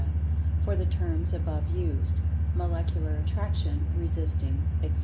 for the terms above used, "Molecular Attraction, resisting, etc."